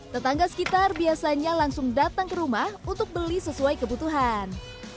tetangga sekitar biasanya langsung datang ke rumah untuk beli sesuai kebutuhan